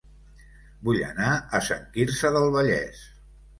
Vull anar a Sant Quirze del Vallès